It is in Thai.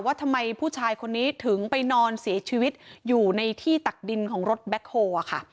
ว่าทำไมผู้ชายคนนี้ถึงไปนอนเสียชีวิตอยู่ในที่ตักดินของรถแบ็คโฮลอะค่ะ